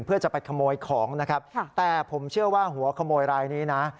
เพื่อจะไปขโมยของนะครับแต่ผมเชื่อว่าหัวขโมยรายนี้นะ